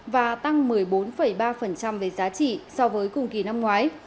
và tăng một mươi bốn ba về giá trị so với cùng kỳ năm ngoái